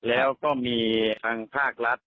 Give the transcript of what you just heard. แล้วก็มีทางภาครัฐ